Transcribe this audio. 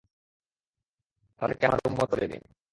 তাদেরকে আমার উম্মত করে দিন।